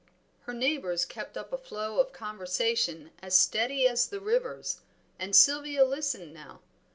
Her neighbors kept up a flow of conversation as steady as the river's, and Sylvia listened now.